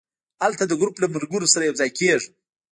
هلته د ګروپ له ملګرو سره یو ځای کېږم.